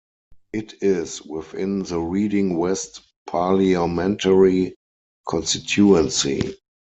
It is within the Reading West parliamentary constituency.